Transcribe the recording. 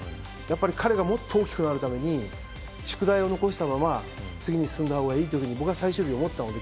彼が大きくなるために宿題を残したまま次に進んだほうがいいと僕が最終日に思ったので。